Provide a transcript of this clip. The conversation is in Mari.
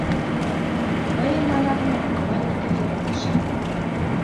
— Мыйым манат мо, Иван Никифорович?